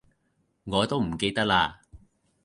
我都唔記得喇